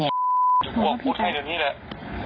อยู่กว่าพูดไทยเดี๋ยวนี้เลย